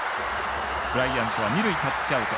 ブライアントは二塁タッチアウト。